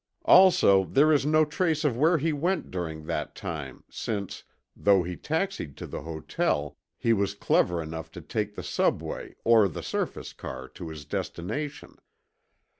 Also there is no trace of where he went during that time since, though he taxied to the hotel, he was clever enough to take the Subway or the surface car to his destination.